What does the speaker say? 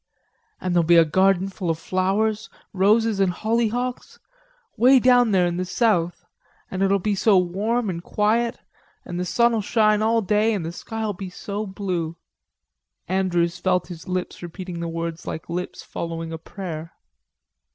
"An' there'll be a garden full of flowers, roses an' hollyhocks, way down there in the south, an' it'll be so warm an' quiet, an' the sun'll shine all day, and the sky'll be so blue..." Andrews felt his lips repeating the words like lips following a prayer.